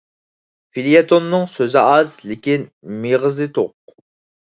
فېليەتوننىڭ سۆزى ئاز، لېكىن مېغىزى توق.